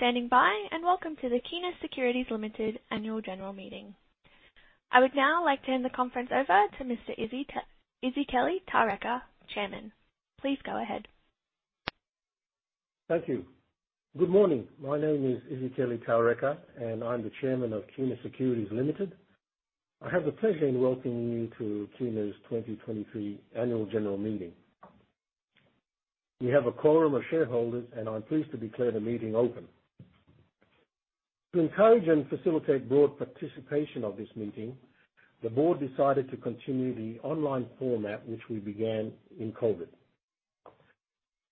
Thank you for standing by, and welcome to the Kina Securities Limited Annual General Meeting. I would now like to turn the conference over to Mr. Isikeli Taureka, Chairman. Please go ahead. Thank you. Good morning. My name is Isikeli Taureka, I'm the Chairman of Kina Securities Limited. I have the pleasure in welcoming you to Kina's 2023 Annual General Meeting. We have a quorum of shareholders, I'm pleased to declare the meeting open. To encourage and facilitate broad participation of this meeting, the Board decided to continue the online format, which we began in COVID.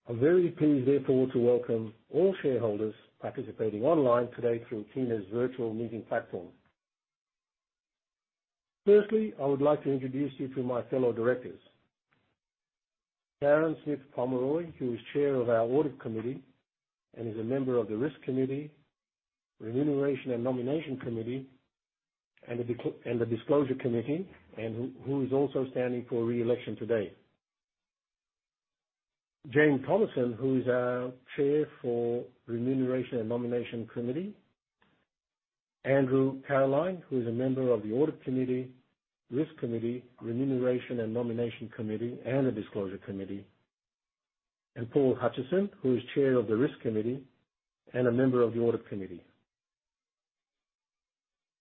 I'm very pleased, therefore, to welcome all shareholders participating online today through Kina's virtual meeting platform. Firstly, I would like to introduce you to my fellow Directors: Karen Smith-Pomeroy, who is Chair of our Audit Committee and is a member of the Risk Committee, Remuneration and Nomination Committee, and the Disclosure Committee, who is also standing for re-election today. Jane Thomason, who is our Chair for Remuneration and Nomination Committee. Andrew Carriline, who is a member of the Audit Committee, Risk Committee, Remuneration and Nomination Committee, and the Disclosure Committee. Paul Hutchinson, who is Chair of the Risk Committee and a member of the Audit Committee.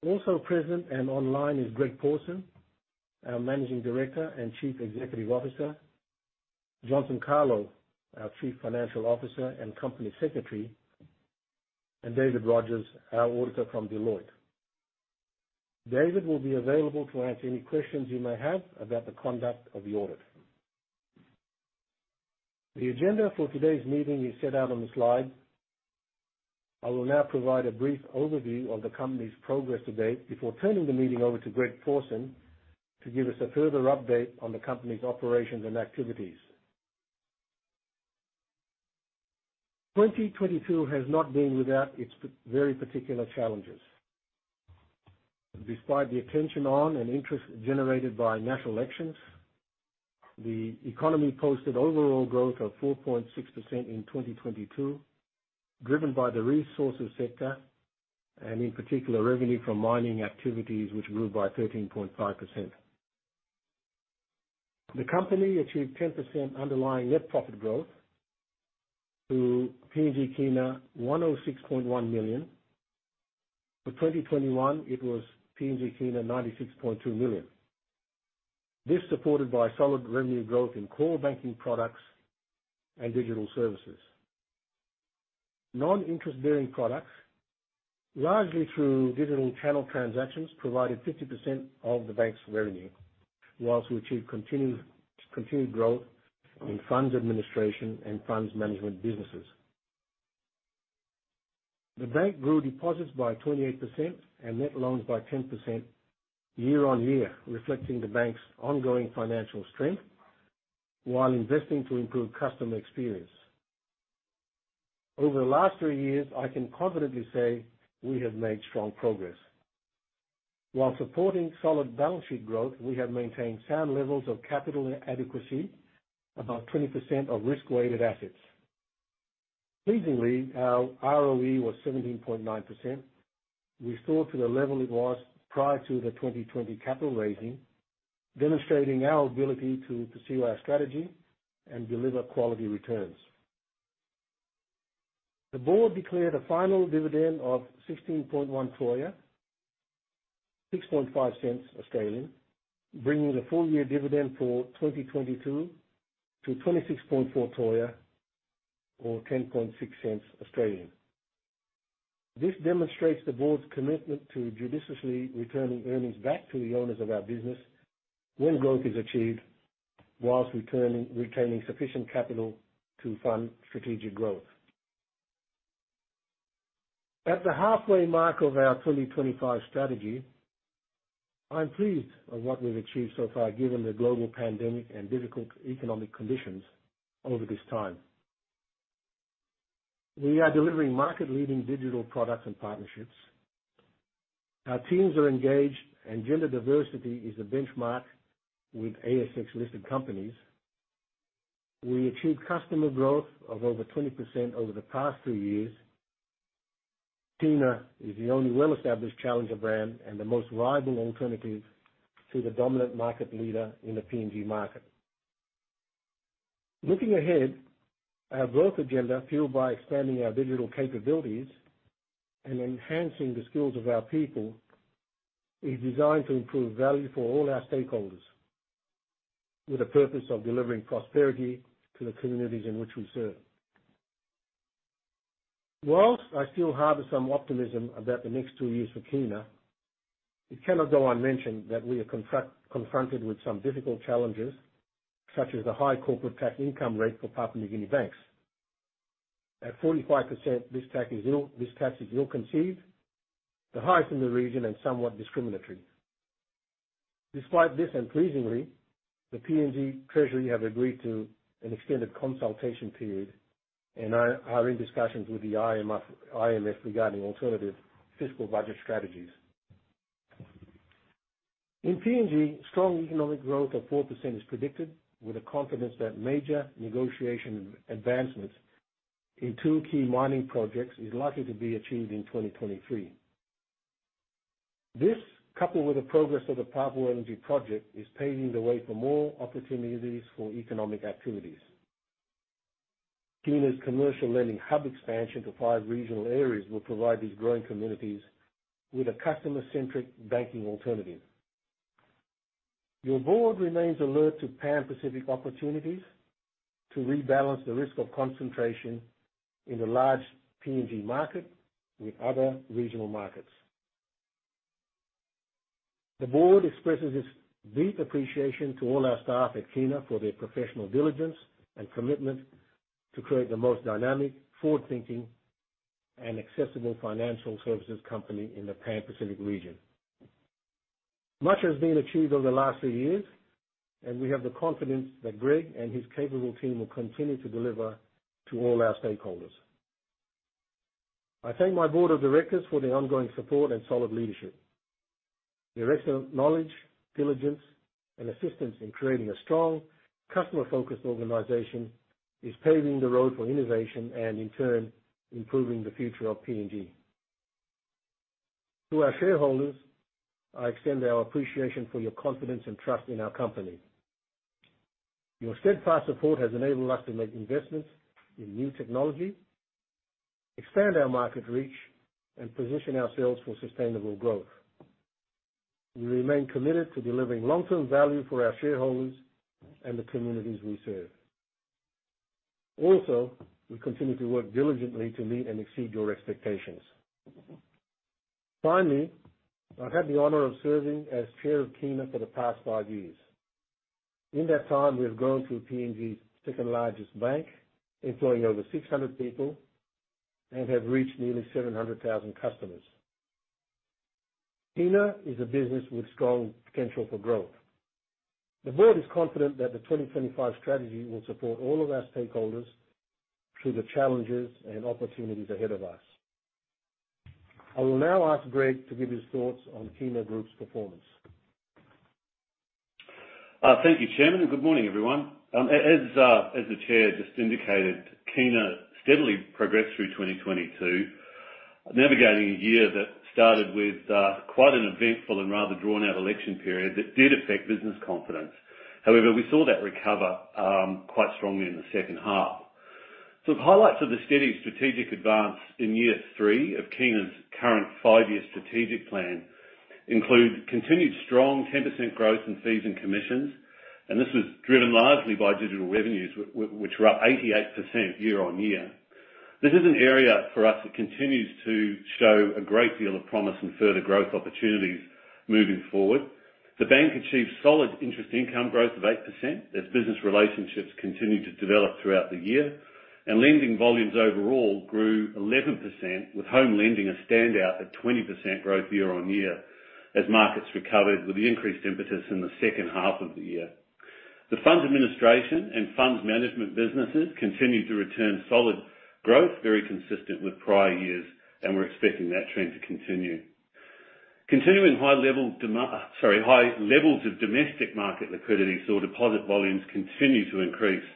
Also present and online is Greg Pawson, our Managing Director and Chief Executive Officer, Johnson Kalo, our Chief Financial Officer and Company Secretary, and David Rogers, our auditor from Deloitte. David will be available to answer any questions you may have about the conduct of the audit. The agenda for today's meeting is set out on the slide. I will now provide a brief overview of the company's progress to date before turning the meeting over to Greg Pawson to give us a further update on the company's operations and activities. 2022 has not been without its very particular challenges. Despite the attention on and interest generated by national elections, the economy posted overall growth of 4.6% in 2022, driven by the resources sector, and in particular, revenue from mining activities, which grew by 13.5%. The company achieved 10% underlying net profit growth to PGK 106.1 million. For 2021, it was PGK 96.2 million. This, supported by solid revenue growth in core banking products and digital services. Non-interest bearing products, largely through digital channel transactions, provided 50% of the bank's revenue, whilst we achieved continued growth in funds administration and funds management businesses. The bank grew deposits by 28% and net loans by 10% year-on-year, reflecting the bank's ongoing financial strength while investing to improve customer experience. Over the last three years, I can confidently say we have made strong progress. While supporting solid balance sheet growth, we have maintained sound levels of capital and adequacy, about 20% of risk-weighted assets. Pleasingly, our ROE was 17.9%. Restored to the level it was prior to the 2020 capital raising, demonstrating our ability to pursue our strategy and deliver quality returns. The board declared a final dividend of 16.1 toea, AUD 0.065, bringing the full year dividend for 2022 to 26.4 toea, or 0.106. This demonstrates the board's commitment to judiciously returning earnings back to the owners of our business when growth is achieved, whilst returning, retaining sufficient capital to fund strategic growth. At the halfway mark of our 2025 strategy, I'm pleased of what we've achieved so far, given the global pandemic and difficult economic conditions over this time. We are delivering market-leading digital products and partnerships. Our teams are engaged. Gender diversity is a benchmark with ASX-listed companies. We achieved customer growth of over 20% over the past three years. Kina is the only well-established challenger brand and the most viable alternative to the dominant market leader in the PNG market. Looking ahead, our growth agenda, fueled by expanding our digital capabilities and enhancing the skills of our people, is designed to improve value for all our stakeholders with the purpose of delivering prosperity to the communities in which we serve. Whilst I still harbor some optimism about the next two years for Kina, it cannot go unmentioned that we are confronted with some difficult challenges, such as the high corporate tax income rate for Papua New Guinea banks. At 45%, this tax is ill-conceived, the highest in the region and somewhat discriminatory. Despite this, and pleasingly, the PNG Treasury have agreed to an extended consultation period and are in discussions with the IMF regarding alternative fiscal budget strategies. In PNG, strong economic growth of 4% is predicted with the confidence that major negotiation advancements in two key mining projects is likely to be achieved in 2023. This, coupled with the progress of the Papua LNG project, is paving the way for more opportunities for economic activities. Kina's commercial lending hub expansion to five regional areas will provide these growing communities with a customer-centric banking alternative. Your Board remains alert to Pan Pacific opportunities to rebalance the risk of concentration in the large PNG market with other regional markets. The Board expresses its deep appreciation to all our staff at Kina for their professional diligence and commitment to create the most dynamic, forward-thinking, and accessible financial services company in the Pan Pacific region. Much has been achieved over the last three years, and we have the confidence that Greg and his capable team will continue to deliver to all our stakeholders. I thank my Board of Directors for their ongoing support and solid leadership. Their excellent knowledge, diligence, and assistance in creating a strong customer-focused organization is paving the road for innovation and, in turn, improving the future of PNG. To our shareholders, I extend our appreciation for your confidence and trust in our company. Your steadfast support has enabled us to make investments in new technology, expand our market reach, and position ourselves for sustainable growth. We remain committed to delivering long-term value for our shareholders and the communities we serve. Also, we continue to work diligently to meet and exceed your expectations. Finally, I've had the honor of serving as Chair of Kina for the past five years. In that time, we have grown to PNG's second-largest bank, employing over 600 people and have reached nearly 700,000 customers. Kina is a business with strong potential for growth. The Board is confident that the 2025 strategy will support all of our stakeholders through the challenges and opportunities ahead of us. I will now ask Greg to give his thoughts on Kina Group's performance. Thank you, Chairman, and good morning, everyone. As the Chair just indicated, Kina steadily progressed through 2022, navigating a year that started with quite an eventful and rather drawn-out election period that did affect business confidence. We saw that recover quite strongly in the second half. The highlights of the steady strategic advance in year three of Kina's current five-year strategic plan include continued strong 10% growth in fees and commissions, and this was driven largely by digital revenues, which were up 88% year-on-year. This is an area for us that continues to show a great deal of promise and further growth opportunities moving forward. The bank achieved solid interest income growth of 8% as business relationships continued to develop throughout the year, and lending volumes overall grew 11%, with home lending a standout at 20% growth year-on-year as markets recovered with the increased impetus in the second half of the year. The funds administration and funds management businesses continued to return solid growth, very consistent with prior years, and we're expecting that trend to continue. Continuing high levels of domestic market liquidity saw deposit volumes continue to increase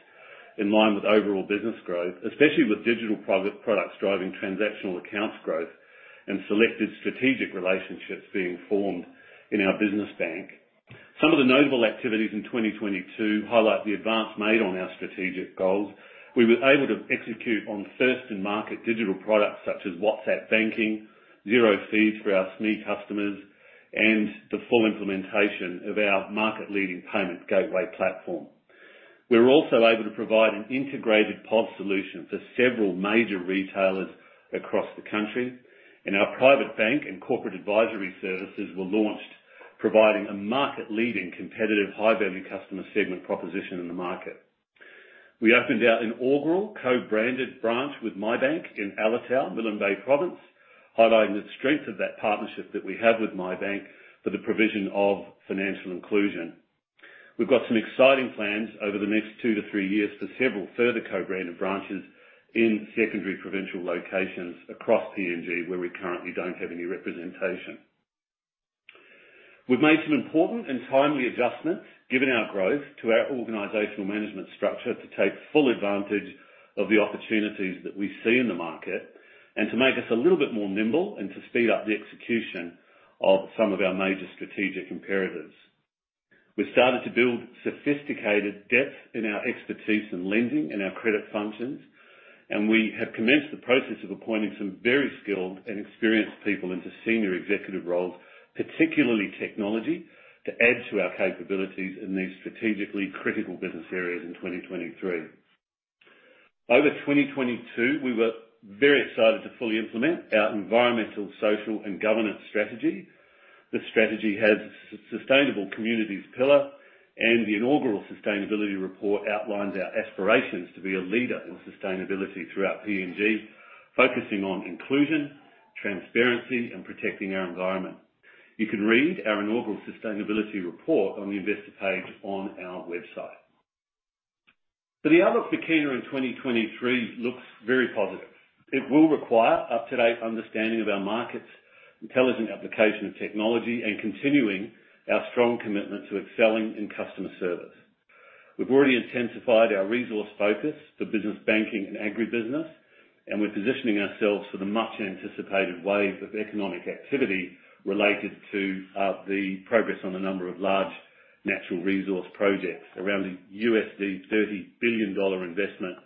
in line with overall business growth, especially with digital products driving transactional accounts growth and selected strategic relationships being formed in our business bank. Some of the notable activities in 2022 highlight the advance made on our strategic goals. We were able to execute on first-in-market digital products such as WhatsApp Banking, Xero feeds for our SME customers, and the full implementation of our market-leading Internet Payment Gateway. We were also able to provide an integrated POS solution for several major retailers across the country, and our private bank and corporate advisory services were launched, providing a market-leading, competitive, high-value customer segment proposition in the market. We opened our inaugural co-branded branch with MiBank in Alotau, Milne Bay Province, highlighting the strength of that partnership that we have with MiBank for the provision of financial inclusion. We've got some exciting plans over the next two to three years for several further co-branded branches in secondary provincial locations across PNG, where we currently don't have any representation. We've made some important and timely adjustments, given our growth to our organizational management structure, to take full advantage of the opportunities that we see in the market and to make us a little bit more nimble and to speed up the execution of some of our major strategic imperatives. We've started to build sophisticated depth in our expertise in lending and our credit functions. We have commenced the process of appointing some very skilled and experienced people into senior executive roles, particularly technology, to add to our capabilities in these strategically critical business areas in 2023. Over 2022, we were very excited to fully implement our environmental, social, and governance strategy. This strategy has a sustainable communities pillar. The inaugural sustainability report outlines our aspirations to be a leader in sustainability throughout PNG, focusing on inclusion, transparency, and protecting our environment. You can read our inaugural sustainability report on the investor page on our website.... The outlook for Kina in 2023 looks very positive. It will require up-to-date understanding of our markets, intelligent application of technology, and continuing our strong commitment to excelling in customer service. We've already intensified our resource focus for business banking and agribusiness, and we're positioning ourselves for the much-anticipated wave of economic activity related to the progress on a number of large natural resource projects, around a $30 billion investment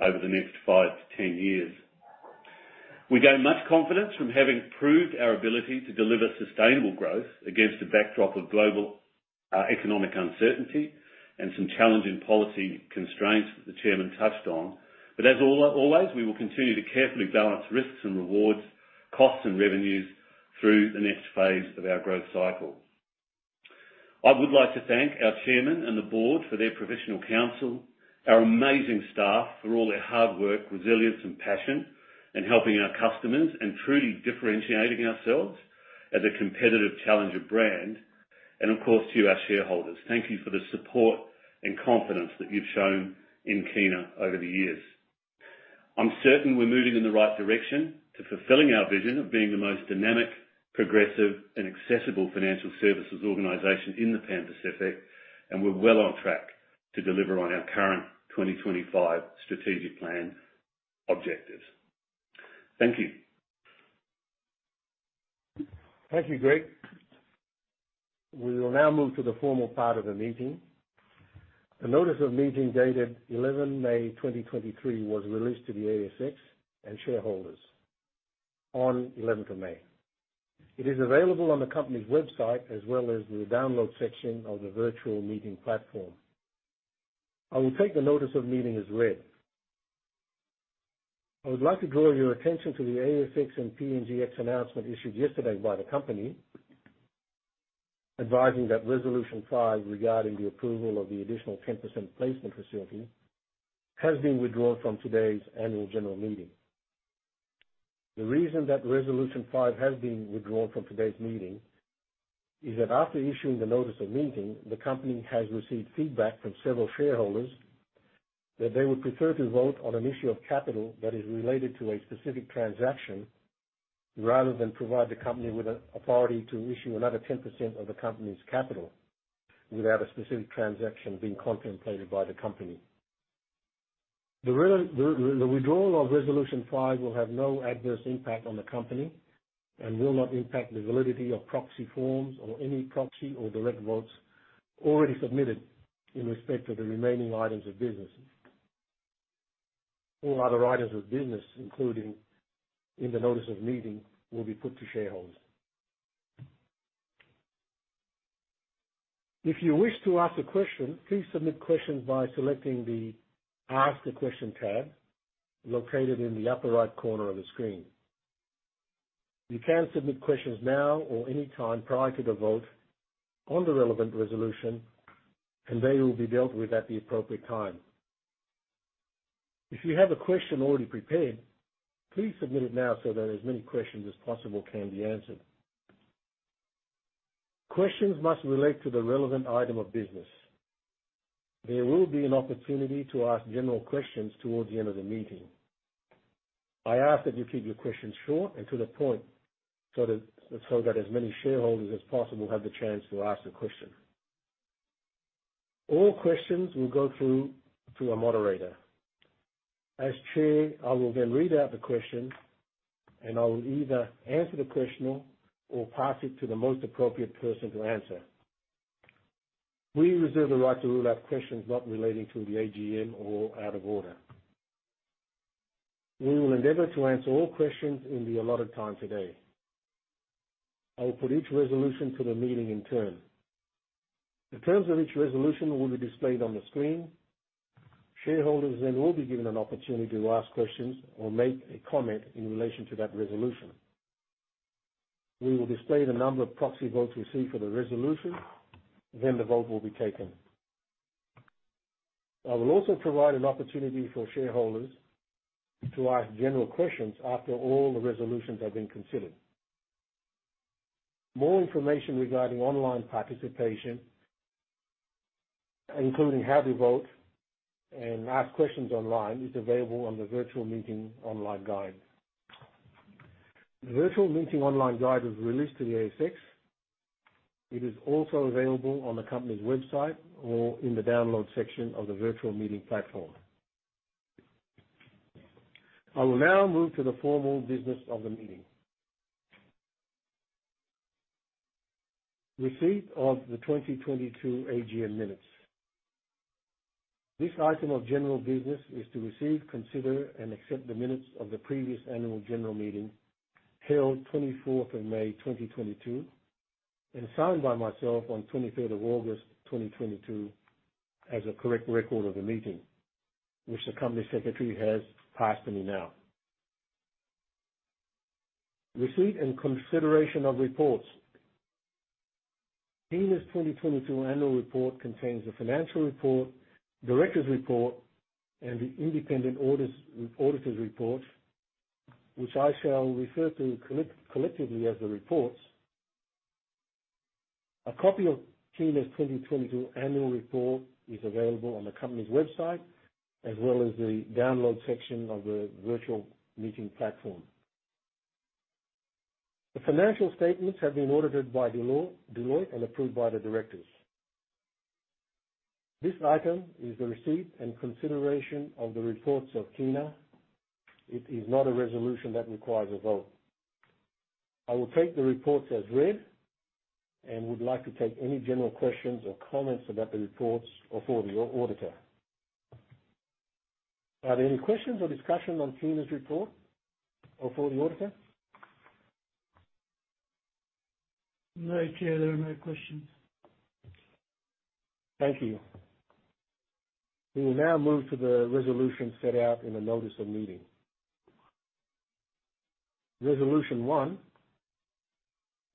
over the next five to 10 years. We gain much confidence from having proved our ability to deliver sustainable growth against a backdrop of global economic uncertainty and some challenging policy constraints that the Chairman touched on. As always, we will continue to carefully balance risks and rewards, costs and revenues through the next phase of our growth cycle. I would like to thank our Chairman and the Board for their professional counsel, our amazing staff for all their hard work, resilience, and passion in helping our customers, and truly differentiating ourselves as a competitive challenger brand. Of course, to you, our shareholders, thank you for the support and confidence that you've shown in Kina over the years. I'm certain we're moving in the right direction to fulfilling our vision of being the most dynamic, progressive, and accessible financial services organization in the Pan Pacific, and we're well on track to deliver on our current 2025 strategic plan objectives. Thank you. Thank you, Greg. We will now move to the formal part of the meeting. The notice of meeting, dated 11 May 2023, was released to the ASX and shareholders on 11th of May. It is available on the company's website as well as in the download section of the virtual meeting platform. I will take the notice of meeting as read. I would like to draw your attention to the ASX and PNGX announcement issued yesterday by the company, advising that Resolution 5, regarding the approval of the additional 10% placement facility, has been withdrawn from today's Annual General Meeting. The reason that Resolution 5 has been withdrawn from today's meeting is that after issuing the notice of meeting, the company has received feedback from several shareholders that they would prefer to vote on an issue of capital that is related to a specific transaction, rather than provide the company with a authority to issue another 10% of the company's capital without a specific transaction being contemplated by the company. The withdrawal of Resolution 5 will have no adverse impact on the company and will not impact the validity of proxy forms or any proxy or direct votes already submitted in respect to the remaining items of business. All other items of business, including in the notice of meeting, will be put to shareholders. If you wish to ask a question, please submit questions by selecting the Ask a Question tab located in the upper right corner of the screen. You can submit questions now or any time prior to the vote on the relevant resolution, and they will be dealt with at the appropriate time. If you have a question already prepared, please submit it now so that as many questions as possible can be answered. Questions must relate to the relevant item of business. There will be an opportunity to ask general questions towards the end of the meeting. I ask that you keep your questions short and to the point, so that as many shareholders as possible have the chance to ask a question. All questions will go through to a moderator. As Chair, I will then read out the question, and I will either answer the question or pass it to the most appropriate person to answer. We reserve the right to rule out questions not relating to the AGM or out of order. We will endeavor to answer all questions in the allotted time today. I will put each resolution to the meeting in turn. The terms of each resolution will be displayed on the screen. Shareholders then will be given an opportunity to ask questions or make a comment in relation to that resolution. We will display the number of proxy votes received for the resolution, then the vote will be taken. I will also provide an opportunity for shareholders to ask general questions after all the resolutions have been considered. More information regarding online participation, including how to vote and ask questions online, is available on the Virtual Meeting Online Guide. The Virtual Meeting Online Guide was released to the ASX. It is also available on the company's website or in the download section of the virtual meeting platform. I will now move to the formal business of the meeting. Receipt of the 2022 AGM minutes. This item of general business is to receive, consider, and accept the minutes of the previous Annual General Meeting, held 24th of May, 2022, and signed by myself on 23rd of August, 2022, as a correct record of the meeting, which the Company Secretary has passed to me now. Receipt and consideration of reports. Kina's 2022 annual report contains the financial report, directors' report, and the independent auditor's report, which I shall refer to collectively as the reports. A copy of Kina's 2022 annual report is available on the company's website, as well as the Download section of the virtual meeting platform. The financial statements have been audited by Deloitte and approved by the directors. This item is the receipt and consideration of the reports of Kina. It is not a resolution that requires a vote. I will take the reports as read and would like to take any general questions or comments about the reports or for the auditor. Are there any questions or discussion on Kina's report or for the auditor? No, Chair, there are no questions. Thank you. We will now move to the resolution set out in the notice of meeting. Resolution 1,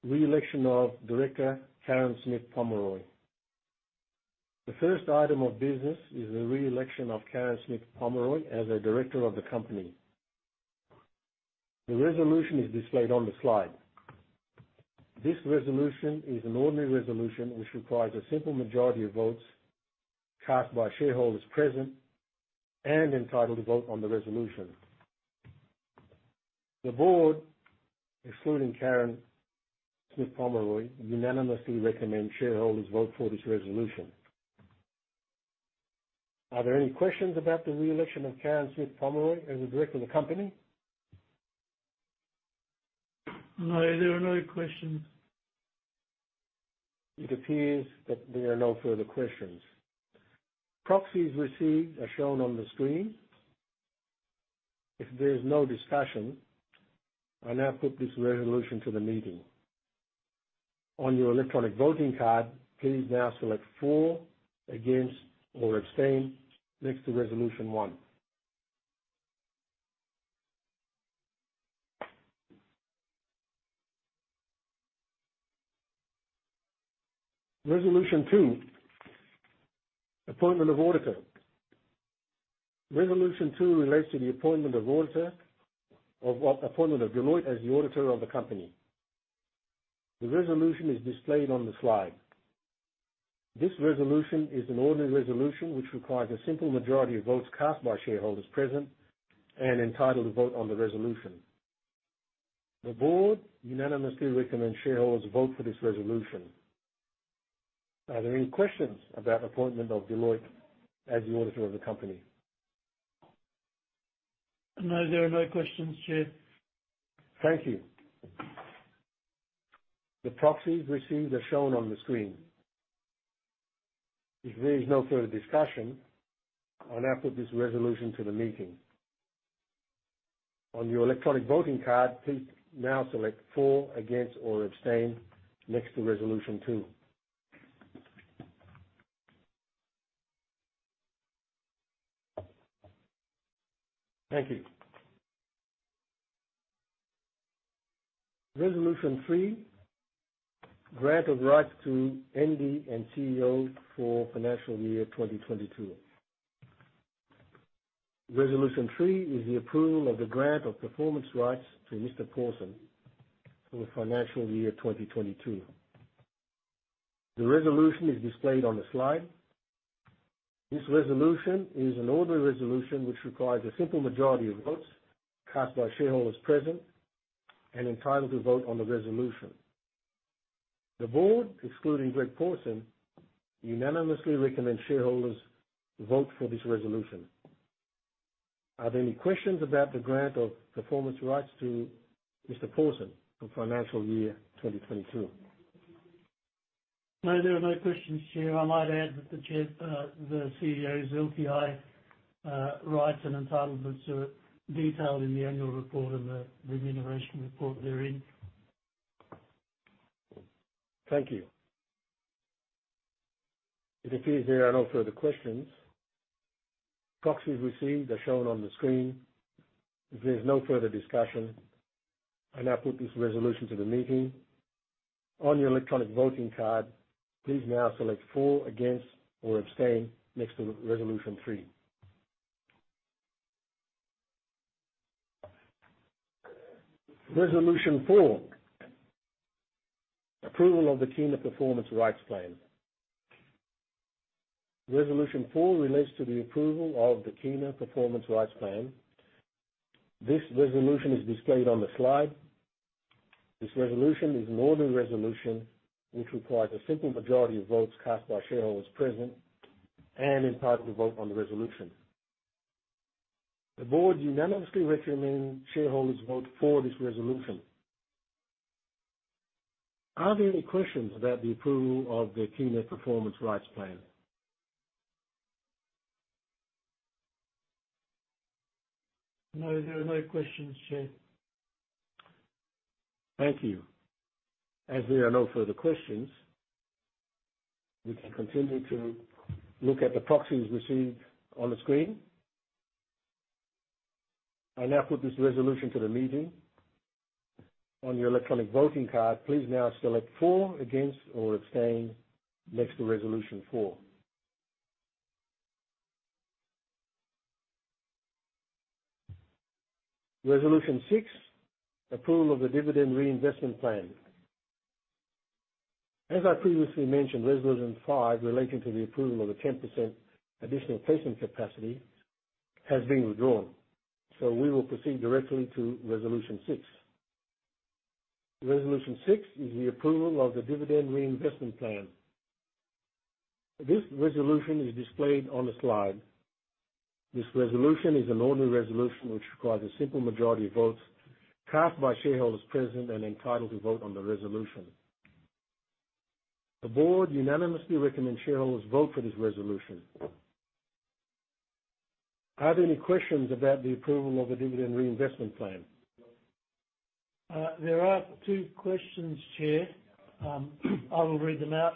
re-election of Director Karen Smith-Pomeroy. The first item of business is the re-election of Karen Smith-Pomeroy as a Director of the company. The resolution is displayed on the slide. This resolution is an ordinary resolution, which requires a simple majority of votes cast by shareholders present and entitled to vote on the resolution. The Board, excluding Karen Smith-Pomeroy, unanimously recommend shareholders vote for this resolution. Are there any questions about the re-election of Karen Smith-Pomeroy as a Director of the company? No, there are no questions. It appears that there are no further questions. Proxies received are shown on the screen. If there is no discussion, I now put this resolution to the meeting. On your electronic voting card, please now select "For," "Against," or "Abstain" next to Resolution 1. Resolution 2, appointment of auditor. Resolution 2 relates to the appointment of auditor of Deloitte as the auditor of the company. The resolution is displayed on the slide. This resolution is an ordinary resolution, which requires a simple majority of votes cast by shareholders present and entitled to vote on the resolution. The Board unanimously recommends shareholders vote for this resolution. Are there any questions about appointment of Deloitte as the auditor of the company? No, there are no questions, Chair. Thank you. The proxies received are shown on the screen. If there is no further discussion, I now put this resolution to the meeting. On your electronic voting card, please now select "For," "Against," or "Abstain" next to Resolution 2. Thank you. Resolution 3, grant of rights to MD and CEO for financial year 2022. Resolution 3 is the approval of the grant of performance rights to Mr. Pawson for the financial year 2022. The resolution is displayed on the slide. This resolution is an ordinary resolution, which requires a simple majority of votes cast by shareholders present and entitled to vote on the resolution. The Board, excluding Greg Pawson, unanimously recommends shareholders vote for this resolution. Are there any questions about the grant of performance rights to Mr. Pawson for financial year 2022? No, there are no questions, Chair. I might add that the Chair, the CEO's LTI rights and entitlements are detailed in the Annual Report and the Remuneration Report therein. Thank you. It appears there are no further questions. Proxies received are shown on the screen. If there is no further discussion, I now put this resolution to the meeting. On your electronic voting card, please now select "For," "Against," or "Abstain" next to Resolution 3. Resolution 4, approval of the Kina Performance Rights Plan. Resolution 4 relates to the approval of the Kina Performance Rights Plan. This resolution is displayed on the slide. This resolution is an ordinary resolution, which requires a simple majority of votes cast by shareholders present and entitled to vote on the resolution. The Board unanimously recommends shareholders vote for this resolution. Are there any questions about the approval of the Kina Performance Rights Plan? No, there are no questions, Chair. Thank you. As there are no further questions, we can continue to look at the proxies received on the screen. I now put this resolution to the meeting. On your electronic voting card, please now select "For," "Against," or "Abstain" next to Resolution 4. Resolution 6: approval of the Dividend Reinvestment Plan. As I previously mentioned, Resolution 5, relating to the approval of the 10% additional placement capacity, has been withdrawn, so we will proceed directly to Resolution 6. Resolution 6 is the approval of the Dividend Reinvestment Plan. This resolution is displayed on the slide. This resolution is an ordinary resolution, which requires a simple majority of votes cast by shareholders present and entitled to vote on the resolution. The Board unanimously recommends shareholders vote for this resolution. Are there any questions about the approval of the Dividend Reinvestment Plan? There are two questions, Chair. I will read them out.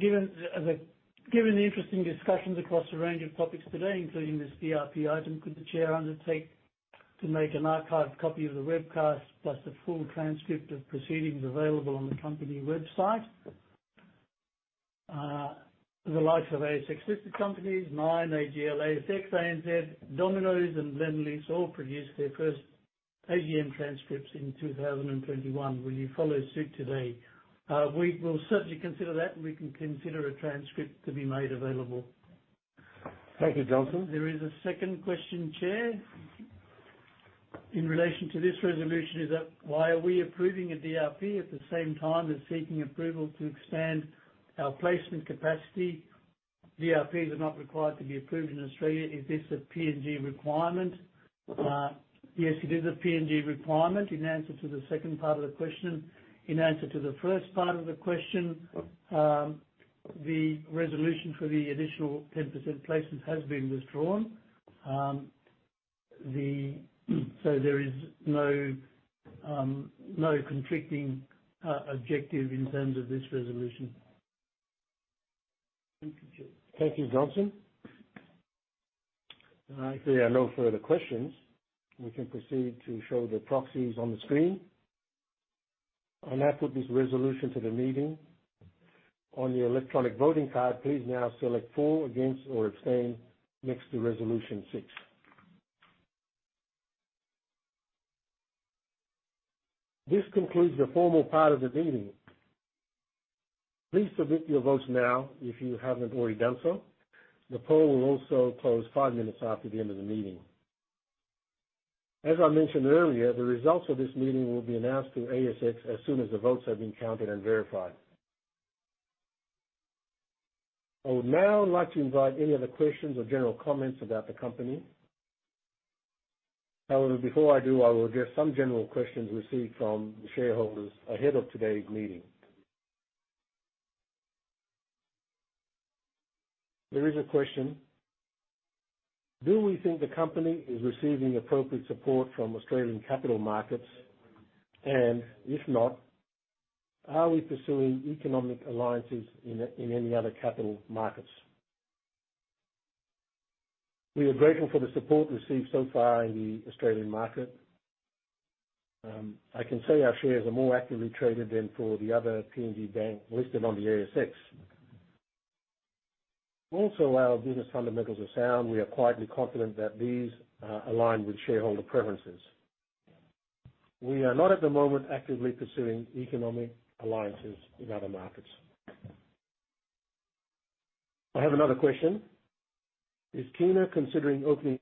Given the interesting discussions across a range of topics today, including this DRP item, could the Chair undertake to make an archived copy of the webcast, plus a full transcript of proceedings available on the company website? The likes of ASX-listed companies, Nine, AGL, ASX, ANZ, Domino's, and Lendlease all produced their first AGM transcripts in 2021. Will you follow suit today? We will certainly consider that, and we can consider a transcript to be made available. Thank you, Johnson. There is a second question, Chair. In relation to this resolution, is that: why are we approving a DRP at the same time as seeking approval to expand our placement capacity? DRPs are not required to be approved in Australia. Is this a PNG requirement? Yes, it is a PNG requirement, in answer to the second part of the question. In answer to the first part of the question, the resolution for the additional 10% placement has been withdrawn. There is no conflicting objective in terms of this resolution. Thank you, Chair. Thank you, Johnson. If there are no further questions, we can proceed to show the proxies on the screen. I now put this resolution to the meeting. On your electronic voting card, please now select for, against, or abstain next to Resolution 6. This concludes the formal part of the meeting. Please submit your votes now if you haven't already done so. The poll will also close five minutes after the end of the meeting. As I mentioned earlier, the results of this meeting will be announced to ASX as soon as the votes have been counted and verified. I would now like to invite any other questions or general comments about the company. Before I do, I will address some general questions received from the shareholders ahead of today's meeting. There is a question: Do we think the company is receiving appropriate support from Australian capital markets? If not, are we pursuing economic alliances in any other capital markets? We are grateful for the support received so far in the Australian market. I can say our shares are more actively traded than for the other PNG bank listed on the ASX. Our business fundamentals are sound. We are quietly confident that these align with shareholder preferences. We are not, at the moment, actively pursuing economic alliances in other markets. I have another question: Is Kina considering opening?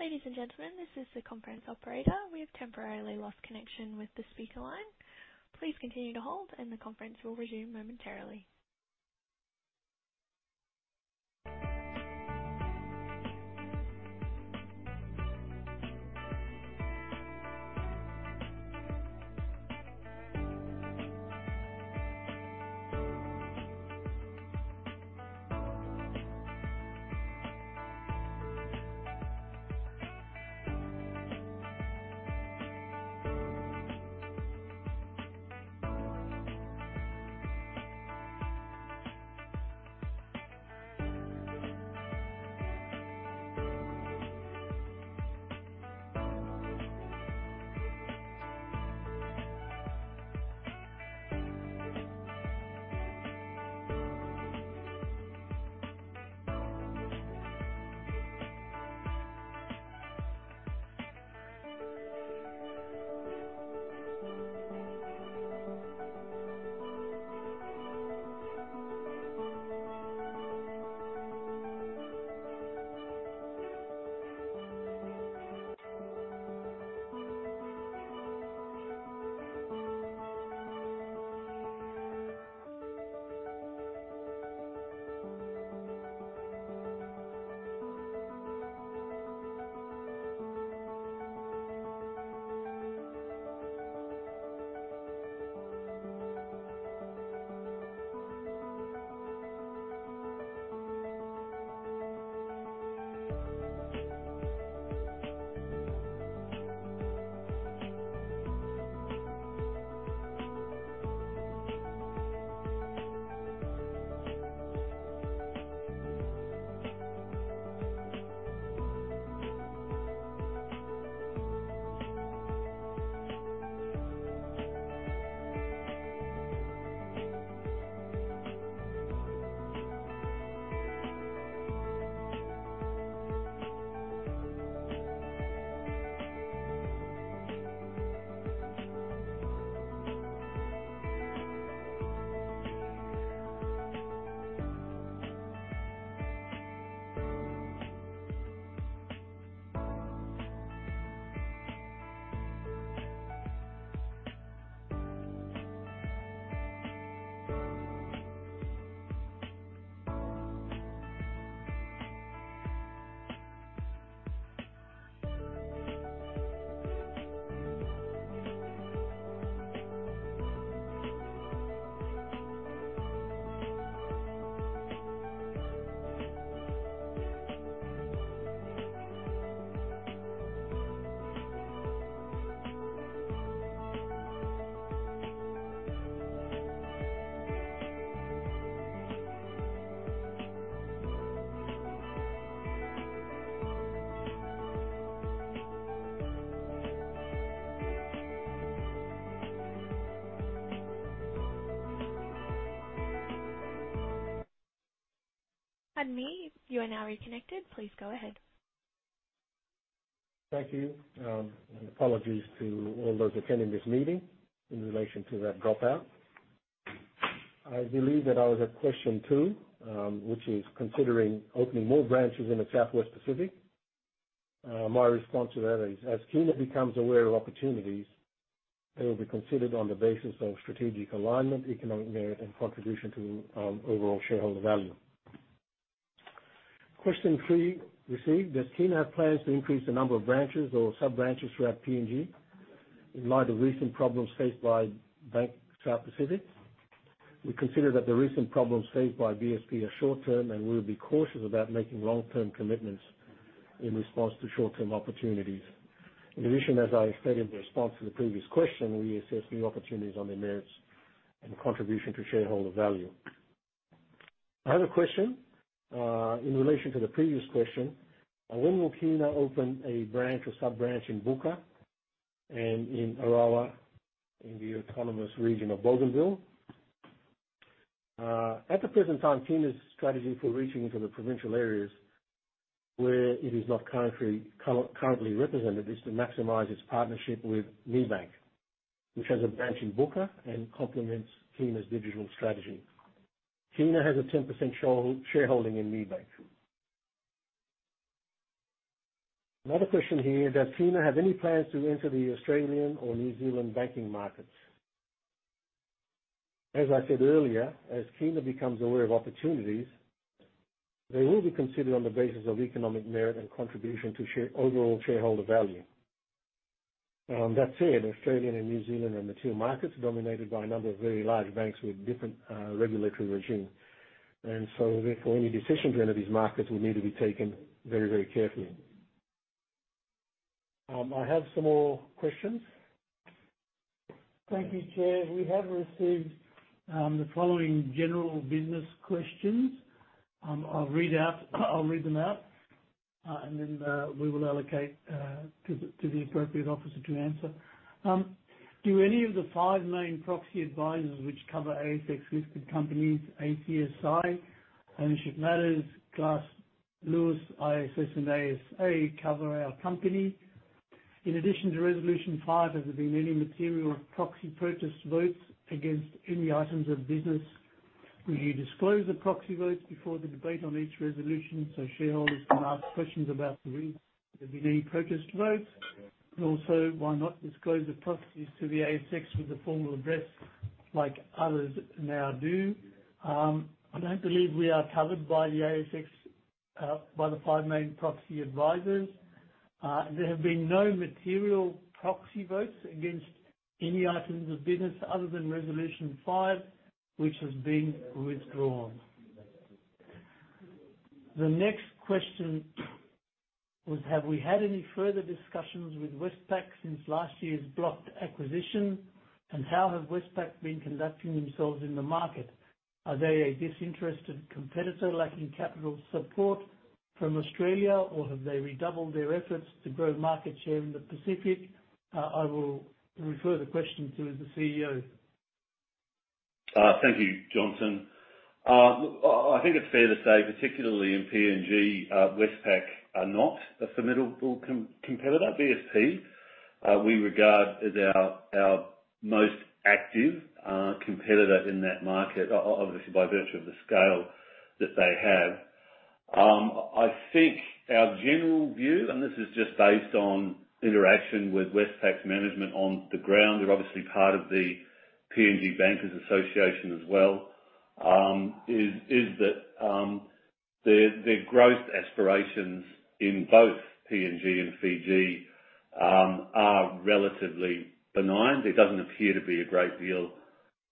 Ladies and gentlemen, this is the conference operator. We have temporarily lost connection with the speaker line. Please continue to hold, and the conference will resume momentarily. Pardon me, you are now reconnected. Please go ahead. Thank you, and apologies to all those attending this meeting in relation to that dropout. I believe that I was at question two, which is considering opening more branches in the Southwest Pacific. My response to that is, as Kina becomes aware of opportunities, they will be considered on the basis of strategic alignment, economic merit, and contribution to overall shareholder value. Question three received: Does Kina have plans to increase the number of branches or sub-branches throughout PNG in light of recent problems faced by Bank South Pacific? We consider that the recent problems faced by BSP are short-term, and we'll be cautious about making long-term commitments in response to short-term opportunities. In addition, as I stated in response to the previous question, we assess new opportunities on the merits and contribution to shareholder value. Another question, in relation to the previous question, when will Kina open a branch or sub-branch in Buka and in Arawa, in the autonomous region of Bougainville? At the present time, Kina's strategy for reaching into the provincial areas where it is not currently represented, is to maximize its partnership with MiBank, which has a branch in Buka and complements Kina's digital strategy. Kina has a 10% shareholding in MiBank. Another question here: Does Kina have any plans to enter the Australian or New Zealand banking markets? As I said earlier, as Kina becomes aware of opportunities, they will be considered on the basis of economic merit and contribution to overall shareholder value. That said, Australian and New Zealand are mature markets dominated by a number of very large banks with different regulatory regimes. Therefore, any decisions in any of these markets will need to be taken very, very carefully. I have some more questions. Thank you, Chair. We have received the following general business questions. I'll read them out, and then we will allocate to the appropriate officer to answer. Do any of the five main proxy advisors which cover ASX-listed companies, ACSI, Ownership Matters, Glass Lewis, ISS, and ASA, cover our company? In addition to Resolution 5, has there been any material proxy protest votes against any items of business? Will you disclose the proxy votes before the debate on each resolution, so shareholders can ask questions about the have there been any protest votes? Also, why not disclose the proxies to the ASX with a formal address like others now do? I don't believe we are covered by the ASX, by the five main proxy advisors. There have been no material proxy votes against any items of business other than Resolution 5, which has been withdrawn. The next question was: Have we had any further discussions with Westpac since last year's blocked acquisition, and how has Westpac been conducting themselves in the market? Are they a disinterested competitor lacking capital support from Australia, or have they redoubled their efforts to grow market share in the Pacific? I will refer the question to the CEO. Thank you, Johnson. I think it's fair to say, particularly in PNG, Westpac are not a formidable competitor. BSP we regard as our most active competitor in that market, obviously, by virtue of the scale that they have. I think our general view, and this is just based on interaction with Westpac's management on the ground, they're obviously part of the PNG Bankers Association as well, is that their growth aspirations in both PNG and Fiji are relatively benign. There doesn't appear to be a great deal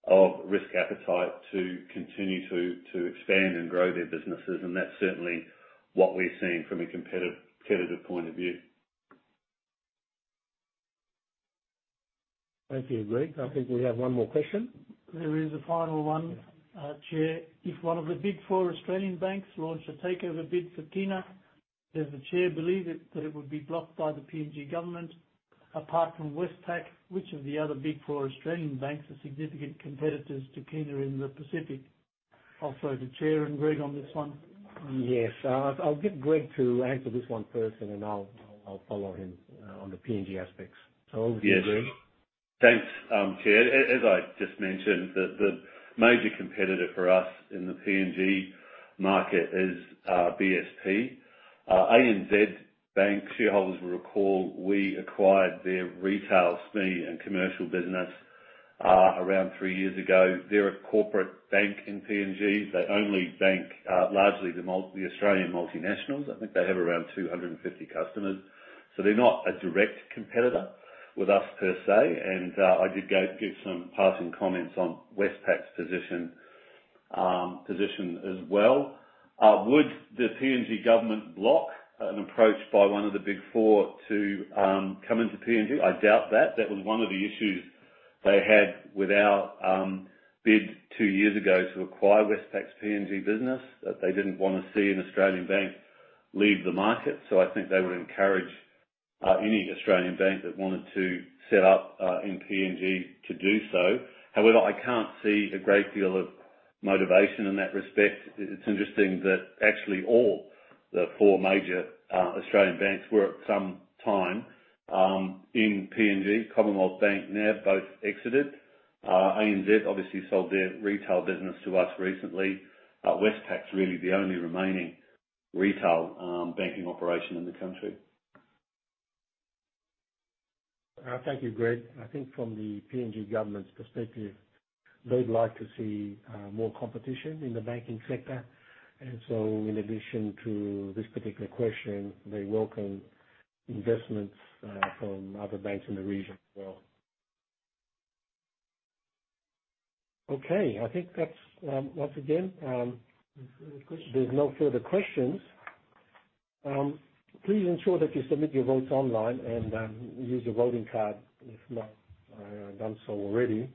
of risk appetite to continue to expand and grow their businesses, and that's certainly what we're seeing from a competitive point of view. Thank you, Greg. I think we have one more question. There is a final one, Chair. If one of the Big Four Australian banks launched a takeover bid for Kina, does the Chair believe that it would be blocked by the PNG government? Apart from Westpac, which of the other Big Four Australian banks are significant competitors to Kina in the Pacific? Also, the Chair and Greg on this one. I'll get Greg to answer this one first, and then I'll follow him on the PNG aspects. Over to you, Greg. Yes. Thanks, Chair. As I just mentioned, the major competitor for us in the PNG market is BSP. ANZ Bank shareholders will recall we acquired their retail, SME, and commercial business around three years ago. They're a corporate bank in PNG. They only bank largely the Australian multinationals. I think they have around 250 customers. They're not a direct competitor with us, per se. I did give some passing comments on Westpac's position as well. Would the PNG government block an approach by one of the Big Four to come into PNG? I doubt that. That was one of the issues they had with our bid two years ago to acquire Westpac's PNG business, that they didn't want to see an Australian bank leave the market. I think they would encourage any Australian bank that wanted to set up in PNG to do so. However, I can't see a great deal of motivation in that respect. It's interesting that actually all the four major Australian banks were at some time in PNG. Commonwealth Bank now both exited. ANZ obviously sold their retail business to us recently. Westpac's really the only remaining retail banking operation in the country. Thank you, Greg. I think from the PNG government's perspective, they'd like to see more competition in the banking sector. In addition to this particular question, they welcome investments from other banks in the region as well. Okay, I think that's. Once again, No further questions. There's no further questions. Please ensure that you submit your votes online and use your voting card, if not done so already.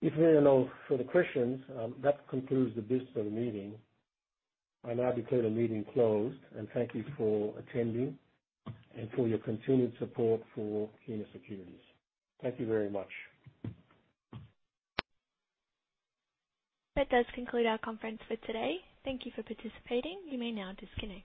If there are no further questions, that concludes the business of the meeting. I now declare the meeting closed, thank you for attending, and for your continued support for Kina Securities. Thank you very much. That does conclude our conference for today. Thank you for participating. You may now disconnect.